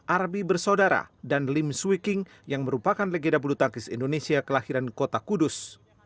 arbi bersaudara dan lim suiking yang merupakan legenda bulu tangkis indonesia kelahiran kota kudus